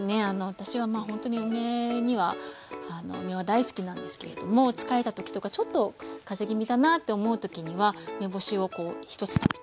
私はまあほんとに梅は大好きなんですけれども疲れた時とかちょっと風邪気味だなと思う時には梅干しをこう１つ食べて。